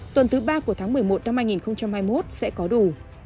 tuần thứ ba của tháng một mươi một năm hai nghìn hai mươi một sẽ có đủ